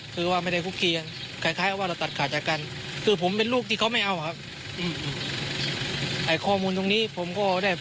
คือผมรู้ได้ที่คือเราตัดขาดจากแม่เพราะเรื่องเนี่ย